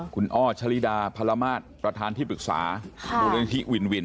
คุณอชลิดาพาร์มาศประธานพี่ปรึกษาเรื่องวินวิน